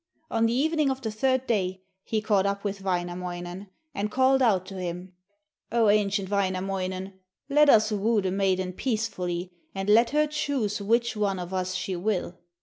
On the evening of the third day he caught up with Wainamoinen, and called out to him: 'O ancient Wainamoinen, let us woo the maiden peacefully, and let her choose which one of us she will.'